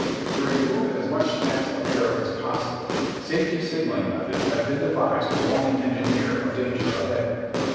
To remove as much chance of error as possible, safety signalling methods have been devised to warn the engineer of danger ahead.